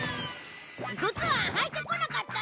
靴は履いてこなかったよ！